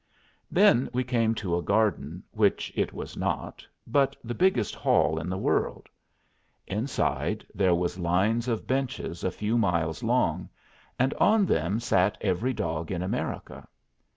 Then we came to a garden, which it was not, but the biggest hall in the world. Inside there was lines of benches a few miles long, and on them sat every dog in America.